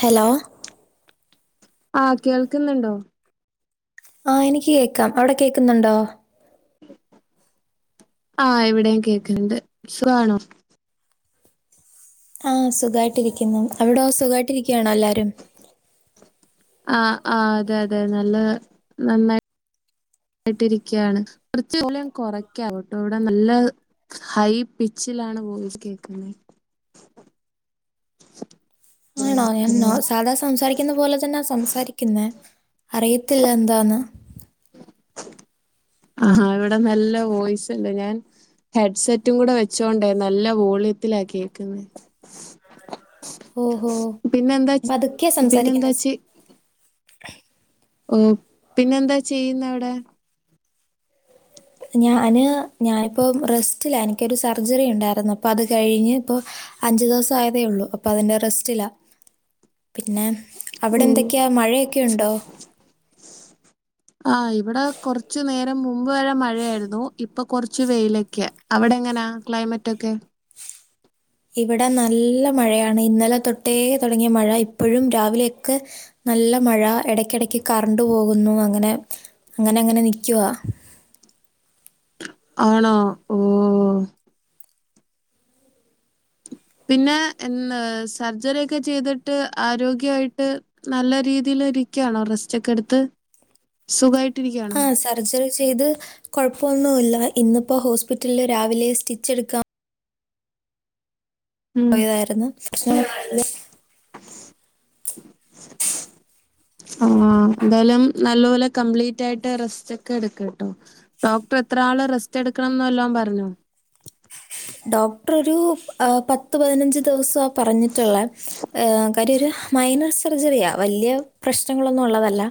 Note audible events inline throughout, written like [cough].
Hello ആഹ് കേൾക്കുന്നുണ്ടോ? ആഹ് എനിക്ക് കേക്കാം അവിടെ കേക്കുന്നുണ്ടോ? ആഹ് ഇവിടേം കേക്ക്‌ണ്ട് സുഖാണോ? ആഹ് സുഖായിട്ടിരിക്കുന്നു അവിടോ സുഖായിട്ടിരിക്കാണോ എല്ലാരും ആഹ് ആഹ് അതെ അതെ നല്ല നന്നായി ട്ടിരിക്കാണ് കൊറച്ചു വോളിയം കുറയ്ക്കാവ്ട്ടോ ഇവിടെ നല്ല ഹൈ പിച്ചിലാണ് വോയിസ്‌ കേക്കുന്നെ [inaudible] ആണോ എന്നാ സാധാ സംസാരിക്കുന്ന പോലെ തന്നെ സംസാരി ക്കിന്ന് അറിയത്തില്ല എന്താന്ന് ആഹ് ഇവിടെ നല്ല വോയിസ്ണ്ട് ഞാൻ ഹെഡ്സെറ്റും കൂടെ വെച്ചോണ്ടേ നല്ല വോളിയത്തിലാ കേക്കുന്നെ ഓഹോ പിന്നെന്താ പതുക്കെയ പിന്നെന്താ സംസാരിക്കുന്നെ ചെ ഓ ഹ് പിന്നെന്താ ചെയ്യുന്നെ അവിടെ ഞാന് ഞാനിപ്പോം റെസ്റ്റിലാ എനിക്കൊരു സർജറി ഉണ്ടായിരുന്നു അപ്പ അത് കഴിഞ്ഞ് ഇപ്പോ അഞ്ചു ദിവസം ആയതേ ഉള്ളു അപ്പൊ അതിന്റെ റെസ്റ്റിലാ പിന്നെ അവിടെ ഓഹ് എന്തൊക്കെയാ മഴയൊക്കെ ഉണ്ടോ ആഹ് ഇവിടെ കുറച്ചു നേരം മുമ്പ് വരെ മഴയായിരുന്നു ഇപ്പൊ കൊറച്ച് വെയിലൊക്കെയാ അവടെങ്ങനെയാ ക്ലൈമറ്റ് ഒക്കെ ഇവടെ നല്ല മഴയാണ് ഇന്നലെ തൊട്ടേ തുടങ്ങിയ മഴ ഇപ്പഴും രാവിലെയൊക്കെ നല്ല മഴ എടക്കിടക്ക് കറണ്ട് പോകുന്നു അങ്ങനെ അങ്ങനെ അങ്ങനെ നിക്കുവാ ആണോ ഓഹ് പിന്നെ എന്നാ സർജറി ഒക്കെ ചെയ്തിട്ട് ആരോഗ്യായിട്ട് നല്ല രീതീൽ ഇരിക്കയാണോ റെസ്റ്റ് ഒക്കെ എടുത്ത് സുഖായിട്ടിരിക്കാണോ? ആ സർജറി ചെയ്ത് കുഴപ്പൊന്നുല്ല ഇന്നിപ്പോ ഹോസ്പിറ്റലില് രാവിലെ സ്റ്റിച്ച് എടുക്കാൻ ഉം. പോയതായിരുന്നു [unintelligible] ആഹ് എന്തായാലും നല്ലപോലെ കംപ്ലീറ്റ് ആയിട്ട് റെസ്റ്റ് ഒക്കെ എടുക്ക്‌ട്ടോ ഡോക്ടർ എത്ര ആള് റെസ്റ്റ് എടുക്കണം എന്ന് വല്ലോം പറഞ്ഞോ ഡോക്ടർ ഒരു പത്ത് പതിനഞ്ച് ദിവസം പറഞ്ഞിട്ടുള്ള ഏഹ് കാര്യ ഒരു മൈനസ് സർജറിയാ വലിയ പ്രശ്നങ്ങളൊന്നും ഉള്ളതല്ല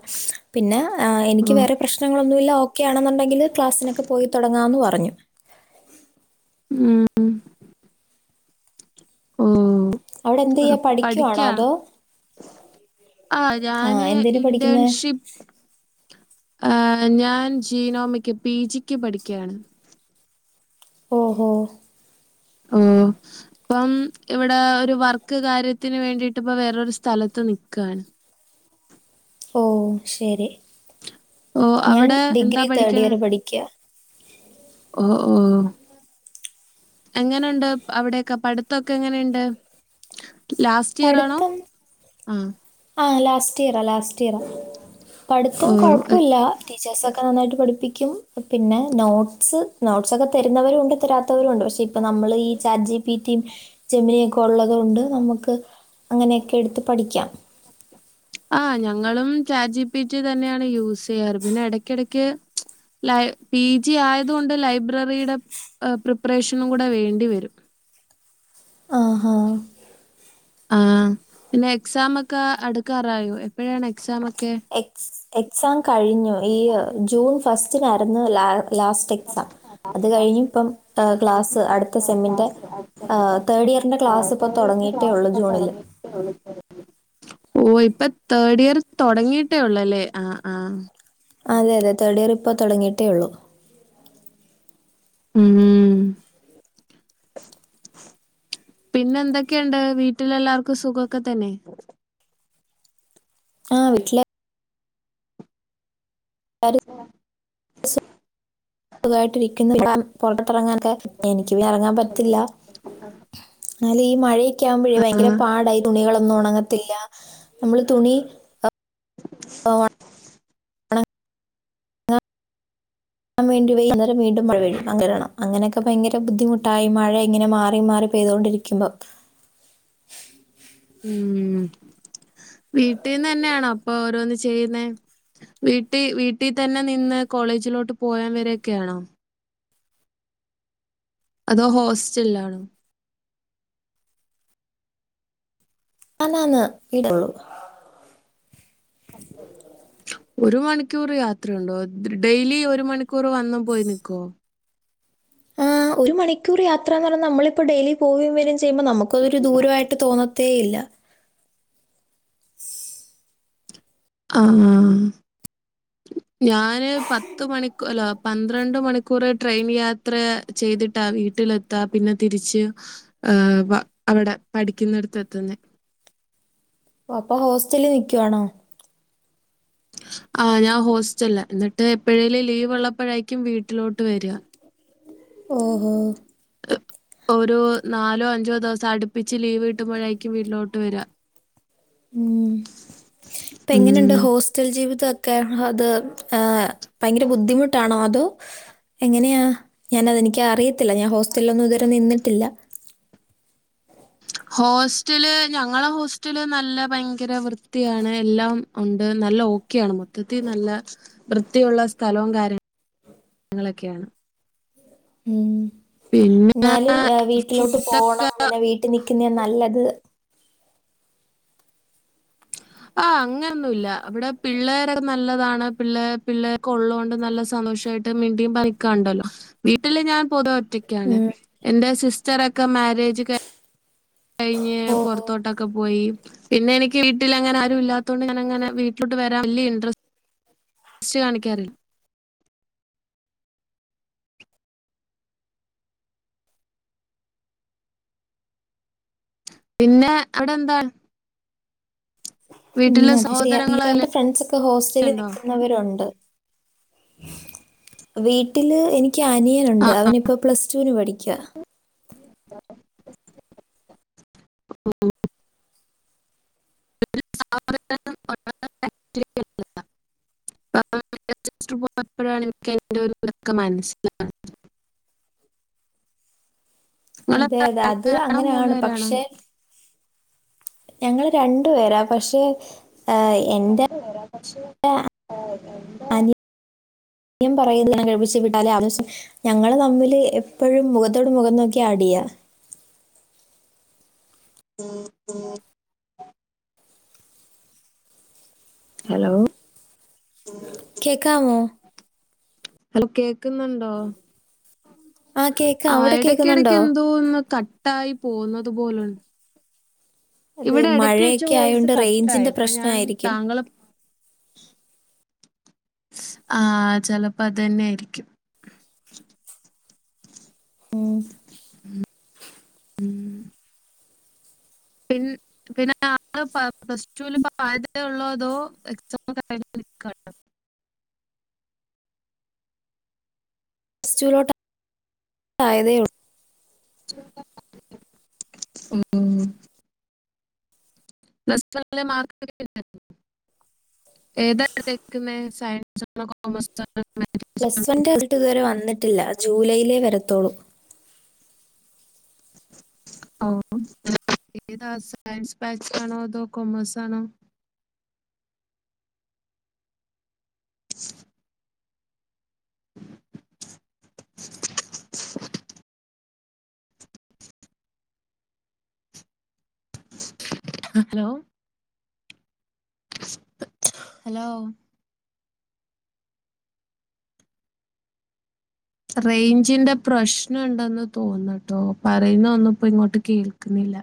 പിന്നെ എനിക്ക് ഓഹ്. വേറെ പ്രശ്നങ്ങളൊന്നുല്ല ഓക്കെയാണെന്നുണ്ടെങ്കില് ക്ലാസിനൊക്കെ പോയി തൊടങ്ങാന്ന് പറഞ്ഞു ഉം ഊം അവിടെ എന്ത് ചെയ്യാ പഠിക്കുവാണോ പഠിക്കാ അതോ ആഹ് ആ ഞാന് എന്തിന് പഠിക്കുന്നേ ഇന്റേൺഷിപ്പ് ഏഹ് ഞാൻ ജീനോമിക്ക് പി ജിക്ക് പഠിക്കാണ് ഓഹോ ഉം ഇപ്പം ഇവിടെ ഒരു വർക്ക് കാര്യത്തിന് വേണ്ടിട്ട് ഇപ്പ വേറരു സ്ഥലത്ത് നിൽക്കുവയാണ് ഓഹ് ശരി ഓ ഞാൻ അവിടെ എന്താ ഡിഗ്രി തേഡ് പഠിക്കണേ? ഇയർ പഠിക്കുക ഓ ഓ എങ്ങനെയുണ്ട് അവിടെയൊക്കെ പഠിത്തൊക്കെ എങ്ങനെയുണ്ട് ലാസ്റ്റ് ഇയർ ആണോ ഉം ആഹ് ലാസ്റ്റ് ഇയറാ ലാസ്റ്റ് ഇയറ പഠിത്തം ഓ എ- കുഴപ്പമില്ല ടീച്ചേഴ്സ് ഒക്കെ നന്നായിട്ട് പഠിപ്പിക്കും പിന്നെ നോട്സ് നോട്ട്സോക്കെ തരുന്നവരും ഒണ്ട് തരാ ത്തവരുണ്ട്, പക്ഷെ ഇപ്പൊ നമ്മള് ഈ chat G P T, Gemini ഒക്കെ ഉള്ളത് കൊണ്ട് നമുക്ക് അങ്ങനെയൊക്കെ എടുത്ത് പഠിക്കാം ആഹ് ഞങ്ങളും ചാറ്റ് ജി പി ടീ തന്നെയാണ് യൂസ് ചെയ്യാറ് പിന്നെ ഇടക്കിടക്ക് ലൈ പി ജി ആയതുകൊണ്ട് ലൈബ്രറിയുടെ പ്രിപ്പറേഷനും കൂടെ വേണ്ടിവരും ആഹാ ആഹഹ് പിന്നെ എക്സാംമ ഒക്കെ അടുക്കാറായോ? എപ്പോഴാണ് എക്സാമ ഒക്കെ? എക്സ് എക്സാം കഴിഞ്ഞു ഈ ജൂൺ ഫസ്റ്റിനാരുന്നു ലാ ലാസ്റ്റ് എക്സാം ഫസ്റ്റ് നാലാം അത് കഴിഞ്ഞ ക്ലാസ് ഇപ്പം ക്ലാസ്സ് കഴിഞ്ഞിപ്പം അടുത്ത സെമ്മിന്റെ ക്ലാസ് അടിച്ചതിന്റെ ആഹ് തേർഡ് ഇയറിന്റെ ക്ലാസ് ഇപ്പൊ തേർഡ് ഇയറിന്റെ തുടങ്ങിയിട്ടേ ക്ലാസ് ഉള്ളൂ ഇപ്പൊ ജൂണില് [unintelligible] ഓ ഇപ്പൊ തേർഡ് ഇയർ തുടങ്ങിയിട്ടേ ഉള്ളല്ലേ ആഹ് ആഹ് അതെ അതെ തേർഡ് ഇയർ ഇപ്പൊ തുടങ്ങിയിട്ടേ ഉള്ളൂ ഉം പിന്നെ എന്തൊക്കെയുണ്ട് വീട്ടിലെല്ലാർക്കും സുഖൊക്കെ തന്നെ ആ വീട്ടില് എല്ലാരും സുഖായിട്ട് ഇരിക്കുന്നു, ഇ [unintelligible] പൊറത്തെറങ്ങാനൊക്കെ എനിക്ക് പിന്നെ ഇറങ്ങാൻ പറ്റത്തില്ല എന്നല് ഈ മഴയൊക്കെ ആകുമ്പോഴേ ആ ഭയങ്കര പാടാ ഈ തുണികളൊന്നും ഉണങ്ങത്തില്ല നമ്മള് തുണി ഏഹ് ഉണങ്ങാൻ ൻ വേണ്ടി വെയി അന്നരം വീണ്ടും മഴ പെയ്യും അങ്ങനൊക്കെ ഭയങ്കര ബുദ്ധിമുട്ടായി മഴ ഇങ്ങനെ മാറി മാറി പെയതൊണ്ടിരിക്കും ക്യുമ്പൊ ഉം വീട്ടീന്ന് തന്നെയണോ ഇപ്പൊ ഓരോന്ന് ചെയ്യുന്നേ വീട്ടിൽ വീട്ടിൽ തന്നെ നിന്ന് കോളേജിലോട്ട് പോയാൻ വരൊക്കെയാണോ അതോ ഹോസ്റ്റല് ആണോ അല്ല അല്ല വീടെള്ളു ഒരു മണിക്കൂർ യാത്രയുണ്ടോ ഡെയിലി ഒരു മണിക്കൂർ വന്ന് പോയി നിക്കോ ആ ഒരു മണിക്കൂർ യാത്രാന്ന് പറഞ്ഞാ നമ്മളിപ്പോൾ ഡെയിലി പോവേം വരും ചെയ്യുമോ നമുക്കതൊരു ദൂരമായിട്ട് തോന്ന ത്തേയില്ല ആഹ് ഞാന് പത്ത് മണൂർ അല്ല പന്ത്രണ്ട് മണിക്കൂർ ട്രെയിൻ യാത്ര ചെയ്ത്ട്ട വീട്ടിലെ ത്ത പിന്നെ തിരിച്ച് അവിടെ പഠിക്കുന്നടുത്ത് എത്തുന്നെ ഓ അപ്പൊ ഹോസ്റ്റലിൽ നിക്കുവാണോ ആഹ് ഞാൻ ഹോസ്റ്റലില. എന്നിട്ട് എപ്പോഴേലും ലീവ് ഉള്ളപ്പോഴേക്കും വീട്ടിലോട്ട് വരിക ഓഹോ ഒരു നാലോ അഞ്ചോ ദിവസം അടുപ്പിച്ച് ലീവ് കിട്ടുമ്പോഴാക്കും വീട്ടിലോട്ട് വരാ ഉം ഇപ്പ ഉം. എങ്ങനെയുണ്ട് ഹോസ്റ്റൽ ജീവിതൊക്കെ അത് ഏഹ് ഭയങ്കര ബുദ്ധിമുട്ടാണോ അതോ എങ്ങനെയാ ഞാനതെനിക്ക് അറിയ ഇല്ല ഞാൻ ഹോസ്റ്റലിലൊന്നും ഇത് വരെ നിന്നിട്ടില്ല ഹോസ്റ്റല് ഞങ്ങളെ ഹോസ്റ്റല് നല്ല ഭയങ്കര വൃത്തിയാണ് എല്ലാം ഉണ്ട് നല്ല ഓക്കെയാണ് മൊത്തത്തിൽ നല്ല വൃത്തിയുള്ള സ്ഥലവും കാര്യങ്ങളൊക്കെയാണ് ഉം പിന്നെ ഇന്നാലും വീട്ടിലോട്ട് പോണം പിന്നെ വീട്ടിൽ നിക്കുന്നാ നല്ലത് ആ അങ്ങനൊന്നുല്ല ഇവിടെ പിള്ളേരൊക്കെ നല്ലതാണ് പിള്ളേർ പിള്ളേരൊക്കെ ഉള്ളത് കൊണ്ട് നല്ല സന്തോഷായിട്ട് മിണ്ടിയും പറിഞ് നിക്കാണ്ടല്ലോ വീട്ടില് ഞാൻ പൊതുവെ ഒറ്റക്ക് റ്റക്കാണ് ഉം. എന്റെ സിസ്റ്ററൊക്കെ മാരേജ് കയി കഴിഞ്ഞ് ഓഹോ പൊറത്തോട്ടൊക്കെ പോയി പിന്നെ എനിക്ക് വീട്ടില് അങ്ങനെ ആരും ഇല്ലാത്തോണ്ട് ഞാൻ അങ്ങന വീട്ടിലോട്ട് വരാൻ വല്യ ഇൻട്രസ്റ്റ് സ്റ്റ് കാണിക്കാറില്ല പിന്നെ അവിടെ എന്താ ഉം വീട്ടില് അത് ശരി ന്റെ സഹോദരങ്ങളെല്ലാം ഫ്രണ്ട്സ് ഒക്കെ ഹോസ്റ്റലിൽ ഉണ്ടോ നിൽക്കുന്നവരുണ്ട് വീട്ടില് എനിക്ക് ആ അനിയനുണ്ട് ആ അവനിപ്പോ പ്ലസ് ടുവിന് പഠിക്കാ [unintelligible] ആഹ് [inaudible] [unintelligible] യപ്പോഴാണ് എനിക്ക് അയിന്റൊക്കൊരിത് മനസ്സിലായത് നിങ്ങൾ അതെ അതെ അത് രണ്ടുപേരാണോ അങ്ങനെയാണ് മൂന്നുപേരാണോ പക്ഷെ ഞങ്ങള് രണ്ടു പേരാ പക്ഷേ രണ്ടു പേരാ പക്ഷെ എന്ത അനിയൻ [unintelligible] ഞങ്ങള് തമ്മില് എപ്പഴും മുഖത്തോട് മുഖം നോക്കിയാ അടിയാ [inaudible] ഹലോ കേക്കാമോ? ഹലോ കേ ന്നുണ്ടോ ആഹ് കേക്കാം. ആഹ് അവിടെ ഇടക്കെടക്ക് കേക്കുന്നുണ്ടോ? എന്തോന്ന് ട്ടായി പോകുന്നത് പോലുണ്ട് അത് ഇവിടെ ഇടയ്ക്ക് വെച്ച് മഴയൊക്കെ വോയിസ് ആയോണ്ട് കട്ടായി റേഞ്ചിന്റെ അപ്പൊ പ്രശ്നം ഞാൻ ആയിരിക്കും താങ്കളെ ആ ചിലപ്പോ അത് തന്നെ ആയിരിക്കും ഉം ഉം പിൻ പിന്നെ ആള് പ്ലസ് ടുവില് ഇപ്പൊ ആയതേ ഉള്ളോ അതോ എക്സാം കഴിഞ്ഞ് നിക്കണോ പ്ലസ് ടു ലോട്ട് ഇപ്പൊ ആയതേ ഒള്ളൂ ഉം പ്ലസ് ടു നല്ല മാർക്ക്‌ ഒക്കെ ഇണ്ടോ ഏതാ ഇട്ത്തേക്കുന്നേ സയൻസ് സയൻസ് ആണോ കോമേഴ്‌സ് ആണോ പ്ലസ് ആണോ വൺന്റെ റിസൾട്ട് ഇതുവരെ വന്നിട്ടില്ല ജൂലൈയിലേ വരത്തൊള്ളൂ ഓഹ് ഏതാ സയൻസ് ബാച്ചാണോ അതോ കൊമേഴ്സ് ആണോ [unintelligible] [unintelligible] ഹലോ ഹലോ റേഞ്ചിന്റെ പ്രശ്നംണ്ടെന്ന് തോന്നട്ടോ പറയുന്നന്നുംപ്പോ ഇങ്ങോട്ട് കേൾക്കുന്നില്ല